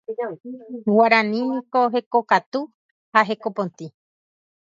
Guarani niko hekokatu ha hekopotĩ.